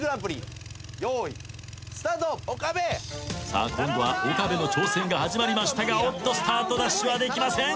さあ今度は岡部の挑戦が始まりましたがおっとスタートダッシュはできません。